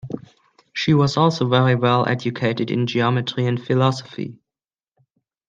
She was also very well educated in geometry and philosophy.